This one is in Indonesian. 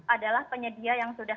adalah penyedia yang sudah